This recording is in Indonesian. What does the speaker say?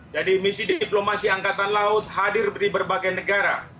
jadi misi diplomasi angkatan laut hadir di berbagai negara